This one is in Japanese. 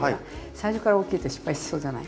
最初から大きいと失敗しそうじゃない？